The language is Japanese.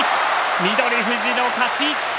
翠富士の勝ち。